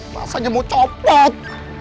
rasanya mau copot